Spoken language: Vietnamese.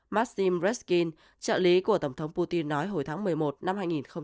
maxim reskin trợ lý của tổng thống putin nói hồi tháng một mươi một năm hai nghìn hai mươi ba